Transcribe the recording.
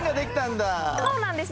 そうなんです